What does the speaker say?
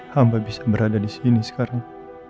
hamba bisa berada di sini sekarang